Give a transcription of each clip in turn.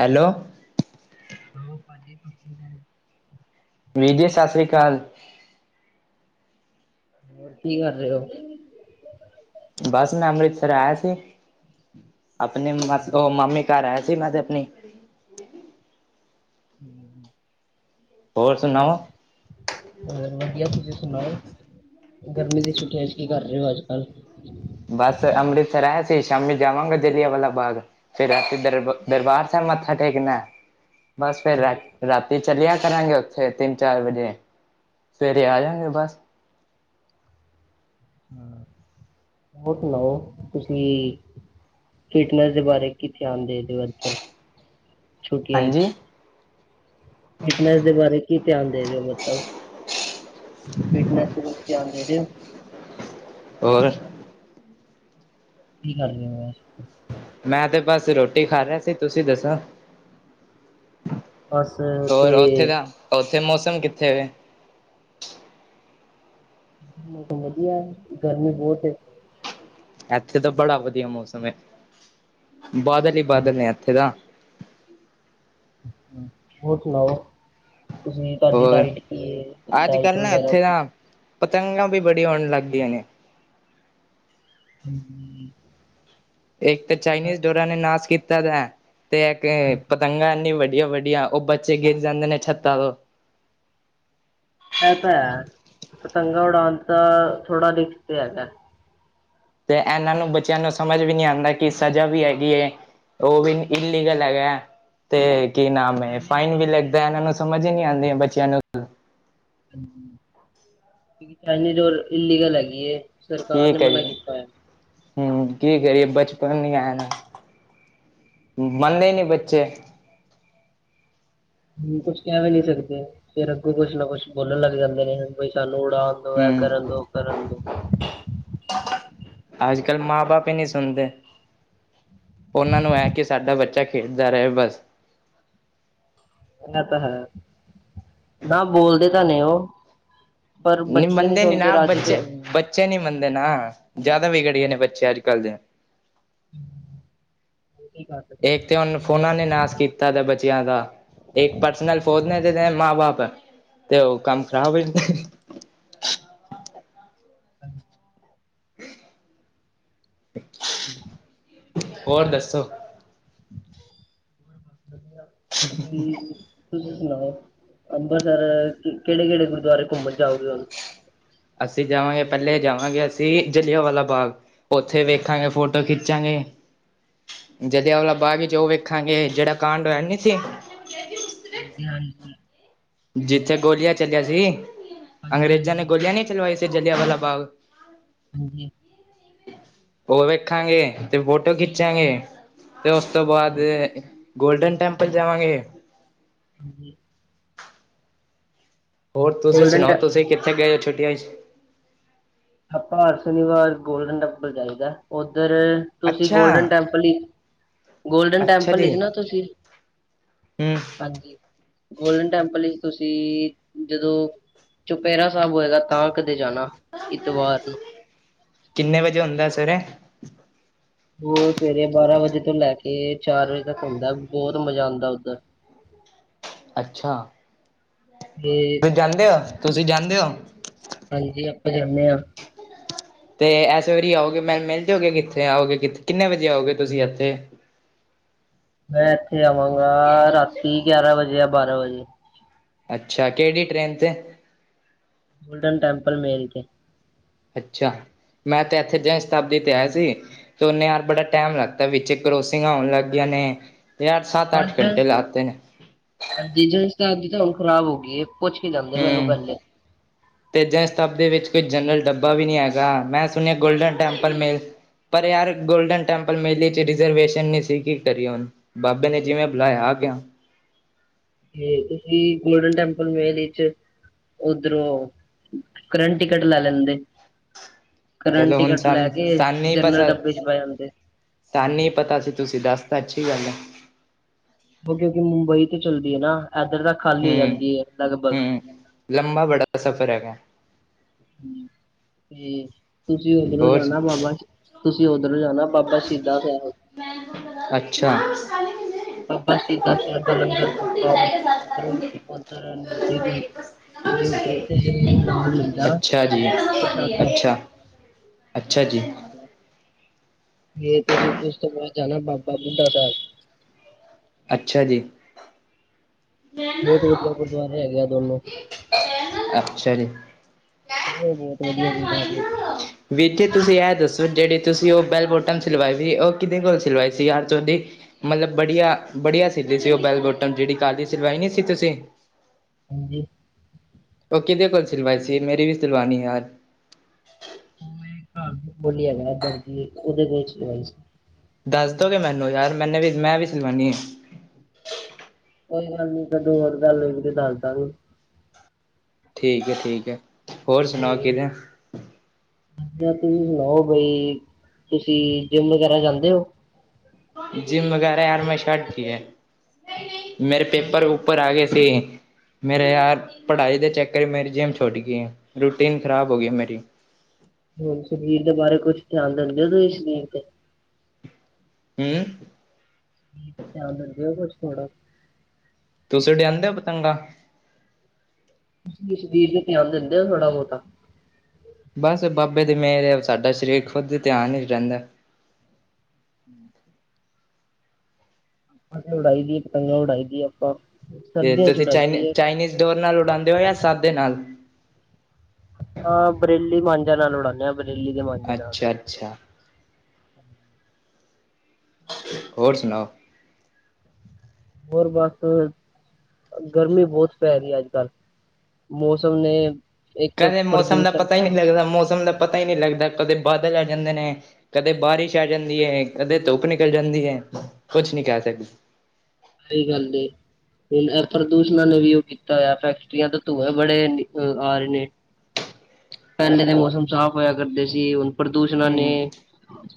Hello. Hello ਭਾਜੀ, ਤੁਸੀ। ਵੀਰ ਜੀ, ਸਤਿ ਸ਼੍ਰੀ ਅਕਾਲ। ਹੋਰ, ਕੀ ਕਰ ਰਹੇ ਹੋ। ਬਸ ਮੈਂ ਅੰਮ੍ਰਿਤਸਰ ਆਇਆ ਸੀ। ਆਪਣੇ ਮਾਸ, ਹਾਂ ਉਹ ਮਾਮੇ ਕਾਰ ਆਇਆ ਸੀ ਮੈਂ ਤੇ ਅਪਣੀ। ਹੂੰ, ਹੋਰ? ਹੋਰ ਵਧੀਆ, ਤੁਸੀਂ ਸੁਣਾਓ? ਗਰਮੀ ਦੀ ਛੁੱਟੀਆਂ ਇੱਚ ਕੀ ਕਰ ਰਏ ਔ ਅੱਜ ਕੱਲ੍ਹ? ਬਸ ਅੰਮ੍ਰਿਤਸਰ ਆਇਆ ਸੀ, ਸ਼ਾਮੀ ਜਾਵਾਂਗਾ ਜਲਿਆਂਵਾਲਾ ਬਾਗ। ਫੇਰ ਰਾਤੀ ਦਰ, ਦਰਬਾਰ ਸੈਬ ਮੱਥਾ ਟੇਕਣਾ ਏ, ਬਸ ਫੇਰ ਰਾ-ਰਾ ਤੀ ਚਲੇਆ ਕਰਾਂਗਾ ਔਥੇ, ਤਿੰਨ ਚਾਰ ਵਜੇ, ਸਵੇਰੇ ਆ ਜਾਗੇ ਬਸ। ਹੂੰ, ਹੋਰ ਸੁਣਾਓ? ਤੁਸੀ। ਫਿਟਨੈਸ ਦੇ ਬਾਰੇ ਕੀ ਤਿਆਨ ਦੇ ਰਏ ਹੋ ਅੱਜਤਰ? ਛੁਟੀਆਂ ਹਾਂਜੀ ਇੱਚ? ਫਿਟਨੈਸ ਦੇ ਬਾਰੇ, ਕੀ ਧਿਆਨ ਦੇ ਰਏ ਹੋ ਮਤਲਬ? ਫਿਟਨੈਸ ਤੇ ਕੁਛ ਤਿਆਨ ਦੇ ਰਏ ਹੋ? ਔਰ? ਕੀ ਕਰਦੇ ਬਏ ਮੈਂ ਤੇ ਬਸ ਰੋਟੀ ਖਾ ਰੇਆ ਸੀ। ਤੁਸੀਂ ਦੱਸੋ? ਬਸ ਤੇ ਹੋਰ ਉੱਥੇ ਦਾ, ਉੱਥੇ ਮੌਸਮ ਕਿੱਥੇ ਵੇ? ਏਥੇ ਮੌਸਮ ਵਦੀਆ ਏ। ਗਰਮੀ ਬੋਤ ਐ। ਐਥੇ ਤਾਂ ਬੜਾ ਵਦੀਆ ਮੌਸਮ ਏ। ਬਾਦਲ ਈ ਬਾਦਲ ਨੇ ਏਥੇ ਤਾਂ। ਹੋਰ ਸੁਣਾਓ? ਕੁਛ ਨਈ ਤਾਦੀ ਹੋਰ ਡਾਇਟ ਕੀ ਐ? ਅੱਜ ਡਾਇਟ ਕੱਲ੍ਹ ਨਾ ਵਗੈਰਾ ਇੱਥੇ ਨਾ ਪਤੰਗਾਂ ਵੀ ਬੜੀ ਆਉਣ ਲੱਗ ਗਈਆ ਨੇ। ਹੂੰ। ਇੱਕ ਤੇ ਚਾਈਨੀਜ਼ ਡੋਰਾਂ ਨੇ ਨਾਸ ਕੀਤਾ ਦਾ ਏ, ਤੇ ਇੱਕ ਏਹ ਇਹ ਪਤੰਗਾ ਇੰਨੀ ਵੱਡੀਆਂ ਵੱਡੀ ਵੱਡੀਆਂ, ਔਹ ਬੱਚੇ ਗਿਰ ਜਾਂਦੇ ਨੇ ਛੱਤਾਂ ਤੋਂ। ਏਹ ਤਾਂ ਹੈਂ, ਪਤੰਗਾ ਉੱਡਾਣ ਤਾਂ ਥੋੜਾ ਰਿਸਕ ਤੇ ਹੈਗਾ ਏ। ਤੇ ਏਹਨਾਂ ਨੂੰ, ਬੱਚਿਆਂ ਨੂੰ ਸਮਝ ਵੀ ਨਈ ਆਂਦਾ, ਕਿ ਸਜ਼ਾ ਵੀ ਹੈਗੀ ਐ। ਉਹ ਵੀਨ ਇਲਲੀਗਲ ਹੈਗਾ ਐ। ਤੇ ਕੀ ਨਾਮ ਏ, ਚਾਈਨੀਜ਼ ਫਾਈਨ ਵੀ ਲੱਗਦਾ, ਏਹਨਾਂ ਨੂੰ ਸਮਝ ਈ ਨੀ ਆਂਦੀ ਬੱਚਿਆਂ ਨੂੰ। ਐਨੀ ਜੋਰ ਇਲੀਗਲ ਹੈਗੀ ਐ। ਕੀ ਕਰੀਏ? ਹੂੰ, ਕੀ ਕਰੀਏ? ਬਚਪਨ ਈ ਐ ਨਾ, ਮੰਨਦੇ ਨੀ ਬੱਚੇ। ਹੂੰ, ਕੁੱਛ ਕੇਹ ਵੀ ਨੀ ਸਕਦੇ, ਫੇਰ ਅੱਗੋਂ ਕੁਛ ਨਾ ਕੁਛ ਬੋਲਣ ਲੱਗ ਜਾਂਦੇ ਨੇ, ਬਈ ਸਾਨੂੰ ਉਡਾ ਸੋ ਏਹ ਹਮ ਕਰਨ ਦੋ, ਕਰਨ ਦੋ। ਆਜ ਕੱਲ ਮਾਂ ਬਾਪ ਈ ਨਹੀਂ ਸੁਣਦੇ। ਉਹਨਾਂ ਨੂੰ ਐ ਕਿ ਸਾਡਾ ਬੱਚਾ ਖੇਡਦਾ ਰਏ ਬਸ। ਐ ਤਾਂ ਹੈ। ਨਾ ਬੋਲਦੇ ਤਾਂ ਨੇ ਉਹ। ਪਰ ਨਈ ਬੱਚੇ ਮੰਨਦੇ ਨੀ ਸੁਣ ਕੇ ਨਾ, ਰਾਜੀ ਬੱਚੇ ਫਿਰ ਬੱ ਚੇ ਨੀ ਮੰਨਦੇ ਨਾ, ਜਿਆਦਾ ਵਿਗੜ ਗਏ ਨੇ ਬੱਚੇ ਅੱਜ ਕੱਲ੍ਹ ਦੇ। ਹੂੰ! ਕਾ ਏਕ ਤੇ ਓਹਨੂੰ। ਫੋਨਾਂ ਨੇ ਨਾਸ ਕੀਤਾ ਦਾ ਬੱਚੇਆਂ ਦਾ, ਇੱਕ ਪਰਸਨਲ ਫੋਨ ਦੇ ਦੇਦੇ ਮਾਂ ਬਾਪ। ਤੇ ਉਹ ਕੰਮ ਖ਼ਰਾਬ ਹੋ ਜਾਂਦਾ। ਹੂੰ। [inaudible] ਹੋਰ ਦੱਸੋ? [unintelligible] ਤੁਸੀ। ਤੁਸੀਂ ਸੁਣਾਓ? ਅੰਬਰਸਰ ਕੇਹੜੇ-ਕੇਹੜੇ ਗੁਰੂਦੁਆਰੇ ਘੁੰਮਣ ਜਾਓਗੇ? ਅਸੀਂ ਜਾਵਾਂਗੇ, ਪੈਲੇ ਜਾਵਾਂਗੇ ਅਸੀਂ, ਜਲਿਆਂਵਾਲਾ ਬਾਗ, ਉੱਥੇ ਵੇਖਾਂਗੇ, ਹੁਣ ਫੋਟੋ ਖਿੱਚ ਜਾਗੇ! ਜਲਿਆ ਵਾਲਾ ਬਾਗ ਚ ਉਹ ਵੇਖਾਂਗੇ ਜਿਹੜਾ ਕਾਂਡ ਹੋਇਆ ਨਹੀਂ ਸੀੇ। ਖ਼ਾਲੀ ਹਾਂਜੀ- ਹਾਂਜੀ। ਜਿੱਥੇ ਗੋਲੀਆਂ ਚੱਲਿਆ ਸੀ। ਅੰਗਰੇਜ਼ਾਂ ਨੇ ਹਾਂਜੀ-ਹਾਂਜੀ, ਗੋਲੀਆਂ ਨੀ ਚਲਵਾਈ ਸੀ ਜਲਿਆਂਵਾਲਾ ਬਾਗ। ਹਾਂਜੀ। ਉਹ ਵੇਖਾਂਗੇ ਤੇ ਫੋਟੋ ਖਿੱਚਾਂਗੇ। ਤੇ ਉਸ ਤੋਂ ਬਾਦ ਹਾਂਜੀ ਗੋਲਡਨ ਟੈਂਪਲ ਜਾਵਾਂਗੇ। ਹਾਂਜੀ! ਹੋਰ ਤੁਸੀਂ ਗੋਲਡਨ ਸੁਣਾਓ! ਟੈ ਤੁਸੀਂ ਕਿੱਥੇ ਗਏ ਹੋ ਛੁਟੀਆਂ ਚ? ਆਪਾਂ ਹਰ ਸ਼ਨੀਵਾਰ ਗੋਲਡਨ ਟੈਂਪਲ ਜਾਈਦਾ। ਉੱਧਰ ਤੁਸੀਂ ਅੱਛਾ ਗੋਲਡਨ ਟੈਂਪਲ ਹੀ, ਗੋਲਡਨ ਟੈਂਪਲ ਚ ਹੀ ਨਾ ਤੁਸੀਂ? ਹੂੰ! ਹਾਂਜੀ ਗੋਲਡਨ ਟੈਂਪਲ ਹੀ ਤੁਸੀਂ, ਜਦੋਂ ਚੁਪੇਹਰਾ ਸਾਹਿਬ ਹੋਏਗਾ ਤਾਂ ਕਦੇ ਜਾਣਾ। ਐਤਵਾਰ ਨੂੰ। ਕਿੰਨੇ ਵਜੇ ਹੁੰਦਾ ਸਵੇਰੇ। ਉਹ ਸਵੇਰੇ ਬਾਰਾਂ ਵਜੇ ਤੋਂ ਲੈ ਕੇ ਚਾਰ ਵਜੇ ਤੱਕ ਹੁੰਦਾ ਬਹੁਤ ਮਜ਼ਾ ਆਉਂਦਾ ਉੱਧਰ। ਅੱਛਾ! ਬੇਜ ਤੁਸੀਂ ਜਾਂਦੇ ਹੋ! ਤੁਸੀਂ ਜਾਂਦੇ ਹੋ? ਹਾਂਜੀ! ਆਪਾਂ ਜਾਂਦੇ ਆ। ਖ਼ਾਲੀ ਤੇ ਇਸੇ ਵਾਰੀ ਆਓਗੇ ਮੈਨੂੰ ਮਿਲ ਮਿਲਜੋਗੇ, ਕਿੱਥੇ ਆਓਗੇ, ਕਿੱਥੇ ਕਿੰਨੇ ਵਜੇ ਆਓਗੇ ਤੁਸੀਂ ਇੱਥੇ? ਮੈਂ ਇੱਥੇ ਆਵਾਂਗਾ। ਰਾਤੀ ਗਿਆਰਾਂ ਵਜੇ ਜਾਂ ਬਾਰਾਂ ਵਜੇ। ਅੱਛਾ! ਕਿਹੜੀ ਟ੍ਰੇਨ ਤੇ, ਗੋਲਡਨ ਟੈਂਪਲ ਮੇਰੀ ਤੇ, ਅੱਛਾ! ਮੈਂ ਤੇ ਇੱਥੇ ਜਨ ਸ਼ਤਾਬਦੀ ਤੇ ਆਇਆ ਸੀ। ਸੋਨੇ ਯਾਰ ਬੜਾ ਟਾਈਮ ਲਗਦਾ ਵਿੱਚ ਕਰੋਸਿੰਗਾ ਆਉਣ ਲਗ ਗਈਆ ਨੇ, ਯਾਰ ਸੱਤ-ਅੱਠ ਹਾਂਜੀ ਘੰਟੇ ਲਾਤੇ ਨੇ, ਹਾਂਜੀ! ਜਨ ਸਤਾਬਦੀ ਦੀ ਤਾਂ ਹੁਣ ਖਰਾਬ ਹੋ ਗਈ ਏ, ਪੁੱਛ ਕੇ ਜਾਂਦੇ ਮੈਨੂੰ ਹੂੰ ਪਹਿਲੇ, ਤੇ ਜਨ ਸ਼ਤਾਬਦੀ ਵਿੱਚ ਕੋਈ ਜਨਰਲ ਡੱਬਾ ਵੀ ਨਹੀਂ ਹੈਗਾ। ਮੈਂ ਸੁਣਿਆ ਗੋਲਡਨ ਟੈਂਪਲ ਮੇ, ਪਰ ਯਾਰ ਗੋਲਡਨ ਟੈਂਪਲ ਮੇਲੇ ਚ ਰਿਜਰਵੇਸ਼ਨ ਸਹੀ ਕੀ ਓਹਣ ਬਾਬੇ ਨੇ ਜਿਵੇਂ ਬੁਲਾਇਆ ਆ ਗਿਆ। ਤੇ ਤੁਸੀਂ ਗੋਲਡਨ ਟੈਂਪਲ ਮ ਇਹਦੇ ਚ। ਉਧਰੋਂ ਕਰੰਟ ਟਿਕਟ ਲੈ ਲੈਂਦੇ। ਕਰੰਟ ਚਲੋ ਹੁਣ ਟਿਕਟ ਲੈ ਸਾਨੂੰ ਕੇ ਸਾਨੂੰ ਨਹੀਂ ਜਨਰਲ ਪਤਾ ਡੱਬੇ ਚ ਪਏ ਜਾਂਦੇ। ਸਾਨੂੰ ਹੀ ਪਤਾ ਸੀ ਤੁਸੀਂ ਦੱਸ ਤਾਂ ਅੱਛੀ ਗੱਲ ਹੈ। ਉਹ ਕਿਉਂਕਿ ਮੁੰਬਈ ਤੇ ਚੱਲਦੀ ਹੈ ਨਾ ਇੱਧਰ ਤਾਂ ਖਾਲੀ ਹੋ ਹੂੰ ਜਾਂਦੀ ਹੈ ਲਗਭਗ ਹੂੰ ਲੰਬਾ ਬੜਾ ਸਫ਼ਰ ਹੈਗਾ। ਤੇ ਤੁਸੀਂ ਉਧਰੋਂ ਹੋਰ ਜਾਣਾ ਬਾਬਾ ਤੁਸੀਂ ਓਧਰੋਂ ਜਾਣਾ। ਬਾਬਾ ਸ਼ਹੀਦਾ ਸਾਹਿਬ। ਅੱਛਾ [inaudible] ਬਾਬਾ ਸ਼ਹੀਦਾ ਸਾਹਿਬ ਦਾ ਲੰਗਰ ਸਵਾਦ ਹੁੰਦਾ [inaudible] ਉਧਰ ਉੱਧਰ ਨ ਨਿਊਟਰੀ ਤੇ ਨਾਲ ਮਿਲਦਾ ਅੱਛਾ ਜੀ ਪ੍ਰਸ਼ਾਦਾ। ਅੱਛਾ ਅੱਛਾ ਜੀ। ਇਹ ਤੁਸੀਂ ਉਸ ਤੋਂ ਬਾਅਦ ਜਾਣਾ ਬਾਬਾ ਬੁੱਢਾ ਸਾਹਿਬ। ਅੱਛਾ ਜੀ। ਬਹੁਤ ਵਧੀਆ ਗੁਰਦੁਆਰੇ ਹੈਗੇ ਆ ਦੋਨੋ। ਅੱਛ ਜੀ! ਉਹੋ ਬਹੁਤ ਵਧੀਆ ਗੁਰਦੁਆਰਾ ਸੀ ਅੱਜ ਵੀਰ ਜੀ! ਤੁਸੀਂ ਏਹ ਦੱਸੋ ਜਿਹੜੀ ਤੁਸੀਂ ਉਹ ਬੈਲ ਬੋਟਮ ਸਿਲਵਾਈ ਵੀ, ਉਹ ਕਿਹਦੇ ਕੋਲ ਸਿਲਵਾਈ ਸੀ। ਯਾਰ ਚੌ ਦੀ, ਮਤਲਬ ਬੜੀਆਂ ਬੜੀਆਂ ਸਿਲੀ ਸੀ ਉਹ ਬੈਲ ਬੋਟਮ, ਜਿਹੜੀ ਕੱਲ੍ਹ ਦੀ ਸਲਵਾਈ ਨਹੀਂ ਸੀ ਤੁਸੀਂ। ਹਾਂਜੀ! ਉਹ ਕਿਹਦੇ ਕੋਲ ਸਿਲਵਾਈ ਸੀ ਮੇਰੀ ਵੀ ਸਿਲਵਾਨਣੀ ਯਾਰ [unintelligible] ਹੈਗਾ ਦਰਜੀ ਉਹਦੇ ਕੋਲ ਸਵਾਈ ਸੀ। ਦੱਸ ਦੋਗੇ ਮੈਨੂੰ ਯਾਰ ਮੈਨੇ ਵੀ ਮੈਂ ਵੀ ਸਿਲਵਾਨੀ ਏ। ਕੋਈ ਗੱਲ ਨੀ ਕਦੋ [unintelligible] ਹੋਰ ਗੱਲ ਵੀ ਤੇ ਦੱਸ ਦ ਵੀ ਠੀਕ ਏ ਠੀਕ ਏ ਹੋਰ ਤੇ ਸੁਣਾਓ ਕਿਵੇਂ। ਤੁਸੀਂ ਸੁਣਾਓ ਬਈ ਤੁਸੀਂ ਜਿੰਮ ਵਗੈਰਾ ਜਾਂਦੇ ਓ। ਜਿੰਮ ਵਗੈਰਾ ਯਾਰ ਮੈਂ ਛੱਡ ਤੀ ਏ। ਮੇਰੇ ਪੇਪਰ ਉੱਪਰ ਆ ਗਏ ਸੀ। ਮੇਰੇ ਯਾਰ ਪੜ੍ਹਾਈ ਦੇ ਚੱਕਰ ਮੇਰੀ ਜਿੰਮ ਛੁੱਟ ਗਈ ਹੈ ਰੂਟੀਨ ਖ਼ਰਾਬ ਹੋ ਗਈ ਮੇਰੀ ਹੁਣ ਸਰੀਰ ਦੇ ਬਾਰੇ ਕੁਝ ਧਿਆਨ ਦਿੰਦੇ ਹੋ ਤੁਸੀਂ ਸਰੀਰ ਤੇ ਹੂੰ ਧਿਆਨ ਦਿੰਦੇ ਹੋ ਕੁਛ ਥੋੜਾ ਤੁਸੀਂ ਉਡਾਦੇ ਹੋ ਪਤੰਗਾ ਤੁਸੀਂ ਸਰੀਰ ਤੇ ਧਿਆਨ ਦਿੰਦੇ ਹੋ ਥੋੜਾ ਬਹੁਤਾ ਬਸ ਬਾਬੇ ਦੇ ਮੇਰੇ ਸਾਡਾ ਸਰੀਰ ਖੁਦ ਧਿਆਨ ਹੀ ਰਹਿੰਦਾ। [unintelligible] ਅਸੀ ਉਡਾਈ ਦੀ ਪੰਤਗਾਂ ਉਡਾਈ ਦੀਏ ਆਪਾਂ ਤੇ ਸਰਦੀਆਂ ਚ ਤੁਸੀਂ ਉਡਾਈ ਚਨੀ ਦੀ ਹੈ ਚਾਈਨੀਜ਼ ਡੋਰ ਨਾਲ ਉਡਾਉਂਦੇ ਹੋ ਜਾਂ ਸਾਦੇ ਨਾਲ ਹਾਂ ਬ੍ਰੇਲੀ ਮਾਂਜਾ ਨਾਲ ਉਡਾਣੇੇ ਆ। ਬੇਰਲੀ ਦੇ ਮਾਂਜੇ ਨਾਲ ਅੱਛਾ -ਅੱਛਾ ਹੋਰ ਸੁਣਾਓ। ਹੋਰ ਬਸ ਗਰਮੀ ਬਹੁਤ ਪੈ ਰਹੀ ਹੈ ਅੱਜ ਕੱਲ੍ਹ ਮੌਸਮ ਨੇ ਇੱਕ ਤਾਂ ਕਦੇ ਮੌਸਮ ਦਾ ਪ੍ਰਦੂਸ਼ਣ ਪਤਾ ਹੀ ਨਹੀਂ ਲੱਗਦਾ ਮੌਸਮ ਦਾ ਪਤਾ ਹੀ ਨਹੀਂ ਲੱਗਦਾ ਕਦੇ ਬਾਦਲ ਆ ਜਾਂਦੇ ਨੇ। ਕਦੇ ਬਾਰਿਸ਼ ਆ ਜਾਂਦੀ ਹੈ ਕਦੇ ਧੁੱਪ ਨਿਕਲ ਜਾਂਦੀ ਹੈ ਕੁਛ ਨਹੀਂ ਕਹਿ ਸਕਦੇ। ਸਹੀ ਗੱਲ ਹੁਣ ਇਹ ਪ੍ਰਦੂਸ਼ਣ ਨੇ ਵੀ ਉਹ ਕੀਤਾ ਆ ਫੈਕਟਰੀਆਂ ਦਾ ਧੂੰਏ ਬੜੇ ਨੀ ਆ ਰਹੇ ਨੇ। ਪਹਿਲੇ ਦੇ ਮੌਸਮ ਸਾਫ਼ ਹੋਇਆ ਕਰਦੇ ਸੀ ਹੁਣ ਪ੍ਰਦੂਸ਼ਣਾ ਨੇ ਹਮ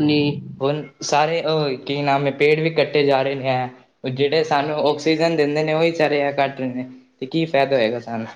ਣੇ ਹੁਣ ਸਾਰੇ ਕੀ ਨਾਮ ਏ ਪੇੜ ਵੀ ਕੱਟੇ ਜਾ ਰਹੇ ਨੇ ਹੈ ਜਿਹੜੇ ਸਾਨੂੰ ਆਕਸੀਜ ਦਿੰਦੇ ਨੇ ਉਹੀ ਸਾਰੇ ਕੱਟ ਰਹੇ ਨੇ ਤੇ ਕੀ ਫਾਇਦਾ ਹੋਏਗਾ ਸਾਨੂੰ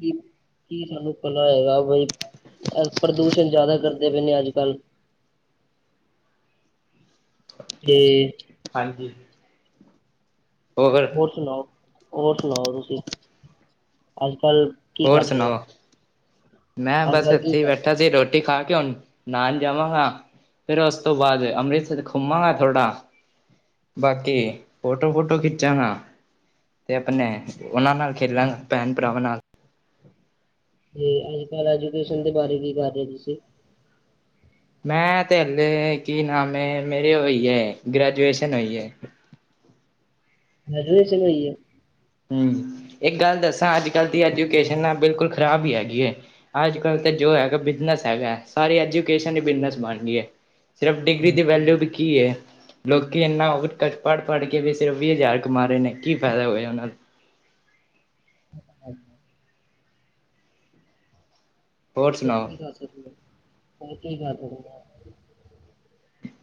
ਕੀ- ਕੀ ਸਾਨੂੰ ਪਤਾ ਹੈਗਾ ਬਈ ਅ ਪ੍ਰਦੂਸ਼ਣ ਜ਼ਿਆਦਾ ਕਰਦੇ ਪਏ ਦੇ ਅੱਜ ਕੱਲ੍ਹ [unintelligible] [unintelligible] ਹਾਂਜੀ ਹੋਰ ਫਿਰ ਹੋਰ ਸੁਣਾਓ? ਹੋਰ ਸੁਣਾਓ, ਤੁਸੀਂ? ਅੱਜ-ਕੱਲ ਹੋਰ ਸੁਣਾਓ? ਮੈਂ ਅੱਜ ਬਸ ਕੱਲ ਕੀ ਇੱਥੇ ਹੀ ਕਰ ਬੈਠਾ ਸੀ। ਰੋਟੀ ਰੋਟੀ ਖਾਕੇ‌ ਹੁਣ, ਨਹਾਨ ਜਾਵਾਂਗਾ। ਫੇਿਰ ਉਸ ਤੋਂ ਬਾਅਦ ਅੰਮ੍ਰਿਤਸਰ ਘੁੰਮਾਂਗਾ ਥੋੜ੍ਹਾ ਬਾਕੀ ਫੋਟੋ ਫੋਟੋ ਖਿੱਚਾਂਗਾ ਤੇ ਆਪਣੇ ਉਹਨਾਂ ਨਾਲ ਖੇਲਾਂਗਾ ਭੈਣ ਭਰਾਵਾਂ ਨਾਲ [unintelligible] ਤੇ ਅੱਜ ਕੱਲ੍ਹ ਐਜੂਕੇਸ਼ਨ ਦੇ ਬਾਰੇ ਕੀ ਕਰ ਰਹੇ ਹੋ ਤੁਸੀਂ ਮੈਂ ਤੇ ਹੱਲੇ ਕੀ ਨਾਮ ਏ ਮੇਰੇ ਹਲੇ ਗ੍ਰੈਜੂਏਸ਼ਨ ਹੋਈ ਏ। [unintelligible] ਹੂੰ ਇੱਕ ਗੱਲ ਦੱਸਾਂ ਅੱਜ ਕੱਲ ਦੀ ਐਜੂਕੇਸ਼ਨ ਨਾ ਬਿਲਕੁਲ ਖ਼ਰਾਬ ਹੀ ਹੈਗੀ ਐ। ਅੱਜ ਕੱਲ੍ਹ ਤਾਂ ਜੋ ਹੈਗਾ ਬਿਜਨਸ ਹੈਗਾ ਸਾਰੀ ਐਜੂਕੇਸ਼ਨ ਈ ਬਿਜਨਸ ਬਣ ਗਈ ਐ ਸਿਰਫ ਡਿਗਰੀ ਦੀ ਵੈਲਊ ਵੀ ਕੀ ਏ ਲੋਕ ਇੰਨਾ [unintelligible] ਪੜ੍ਹ ਪੜ੍ਹ ਕੇ ਵੀ ਸਿਰਫ ਵੀਹ ਹਜ਼ਾਰ ਕਮਾ ਰਹੇ ਨੇ ਕੀ ਫਾਇਦਾ ਹੋਇਆ ਉਹਨਾਂ ਦਾ ਹਾਂ ਹੋਰ ਸੁਣਾਓ ਕੀ ਕਰ ਕੀ ਕਰ [unintelligible]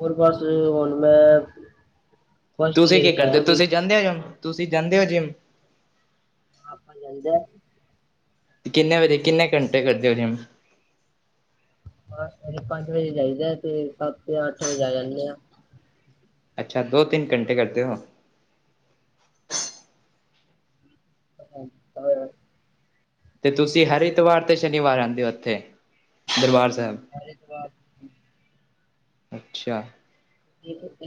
ਹੋਰ ਬਸ, ਹੁਣ ਮੈਂ ਫਸਟ ਤੁਸੀਂ ਈਅਰ ਕੇ ਚ ਕਰਦੇ? ਆਇਆ ਵੀ ਤੁਸੀਂ ਜਾਂਦੇ ਹੋ ਜਿੰਮ, ਤੁਸੀਂ ਜਾਂਦੇ ਹੋ ਜਿੰਮ? ਆਪਾ ਨ ਲਗਦੈ। ਕਿੰਨੇ ਵਜੇ? ਕਿੰਨੇੰ ਘੰਟੇ ਕਰਦੇ ਹੋ, ਜਿੰਮ? ਬਸ ਸਵੇਰੇ ਪੰਜ ਵਜੇ ਜਾਹੀਦੈ, ਤੇ ਸੱਤ ਯਾਂ ਅੱਠ ਵਜੇ ਆ ਜਾਂਨੇ ਆ। ਅੱਛਾ, ਦੋ-ਤਿੰਨ ਘੰਟੇ ਕਰਦੇ ਹੋ? ਹ ਹੋ [unintelligible] ਤੇ ਤੁਸੀਂ ਹਰ ਇਤਵਾਰ ਤੇ ਸ਼ਨੀਵਾਰ ਆਉਂਦੇ ਹੋ, ਉੱਥੇ ਦਰਬਾਰ ਸਾਹਿਬ? ਐਤਵਾਰ। ਅੱਛਾ।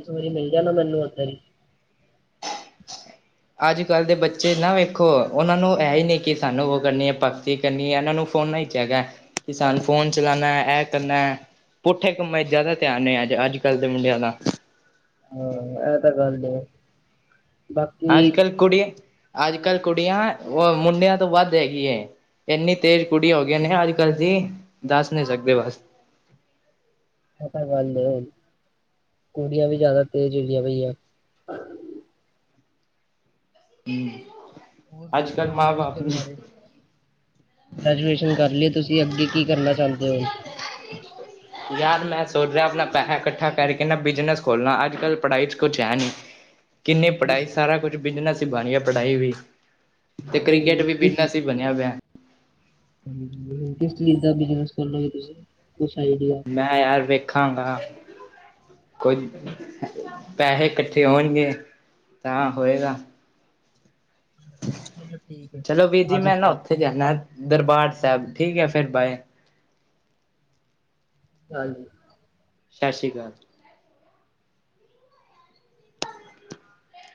ਸਵੇਰੇ ਮਿਲ ਜਾਣਾ ਮੈਨੂੰ ਉੱਧਰ ਹੀ। ਅੱਜ-ਕੱਲ ਦੇ ਬੱਚੇ ਨਾ ਵੇਖੋ, ਉਹਨਾਂ ਨੂੰ ਹੈ ਹੀ ਨਹੀਂ, ਕਿ ਸਾਨੂੰ ਉਹ ਕਰਨੀ ਹੈ ਭਗਤੀ ਕਨੀ ਇਹਨਾਂ ਨੂੰ ਫੋਨ ਈ ਚੈਦਾ, ਕਿ ਸਾਨੂੰ ਫੋਨ ਚਲਾਣਾ, ਐ ਕਰਨਾ ਪੁੱਠੇ ਕੰਮਾ'ਚ ਜ਼ਿਆਦਾ ਧਿਆਨ ਏ, ਅ, ਅੱਜ-ਕੱਲ ਦੇ ਮੁੰਡਿਆਂ ਦਾ। ਹਾਂ, ਇਹ ਤਾਂ ਗੱਲ ਏ। ਅੱਜ-ਕੱਲ ਕੁੜੀਆ, ਅੱਜ-ਕੱਲ ਕੁੜੀਆਂ, ਮੁੰਡਿਆਂ ਤੋਂ ਵੱਧ ਹੈਗੀਏਂ। ਇੰਨੀ ਤੇਜ਼ ਕੁੜੀਆ ਹੋ ਗਈਆ ਨੇ ਅੱਜ-ਕੱਲ ਦੀ, ਦੱਸ ਨਹੀ ਸਕਦੇ ਬਸ। ਐ ਤਾਂ ਗੱਲ ਏ, ਕੁੜੀਆ ਵੀ ਜ਼ਿਆਦਾ ਤੇਜ਼ ਹੁੰਦੀਆਂ ਪਈਆ। ਹੂੰ, ਹੋਰ ਸੁਣਾਓ ਅੱਜ-ਕੱਲ ਮਾਂ-ਬਾਪ ਫਿਊਚਰ ਨੂੰ ਬਾਰੇ ਗ੍ਰੈਜੂਏਸ਼ਨ ਕਰ ਲੀਏ ਤੁਸੀਂ, ਅੱਗੇ ਕੀ ਕਰਨਾ ਚਾਹੁੰਦੇ ਹੋ? ਯਾਰ ਮੈਂ ਸੋਚ ਰਿਹਾ, ਆਪਣਾ ਪੈਹਾ ਇਕੱਠਾ ਕਰਕੇ ਨਾਂ ਬਿਜਨਸ ਖੋਲਾਂ ਅੱਜ-ਕੱਲ ਪੜ੍ਹਾਈ 'ਚ ਕੁਝ ਹੈ ਨਹੀਂ। ਹ [inaudible] ਕਿੰਨੀ ਕਿਸ ਪੜ੍ਹਾਈ ਕਿਸ ਸਾਰਾ ਕੁਛ ਬਿਜਨਸ ਹੀ ਬਣ ਗਿਆ ਪੜ੍ਹਾਈ ਵੀ, ਤੇ ਕ੍ਰਿਕੇਟ ਵੀ ਹਾਂਜੀ, ਬਿਜਨਸ ਹੀ ਬਣਿਆ ਪਿਆਂ। ਹੂੰ, ਕਿਸ ਚੀਜ਼ ਦਾ ਬਿਜਨਸ ਖੋਲੋਂਗੇ ਤੁਸੀਂ, ਕੁਛ ਆਈਡੀਆ? ਮੈਂ ਯਾਰ, ਵੇਖਾਂਗਾ। ਕੋਈ ਨਹੀਂ, ਪੈਹੇ ਇਕੱਠੇ ਹੋਣਗੇ ਤਾਂ ਹੋਏਗਾ। ਚਲੋ ਠੀਕ ਹੈ, ਚਲੋ ਵੀਰ ਜੀ ਮੈਂ ਬਾਅਦੀ'ਚ ਨਾ ਉੱਥੇ ਜਾਣਾ ਦਰਬਾਰ ਸਾਹਿਬ ਠੀਕ ਹੈ, ਫਿਰ ਬਾਏ। ਹਾਂਜੀ। ਸਤ ਸ਼੍ਰੀ ਅਕਾਲ।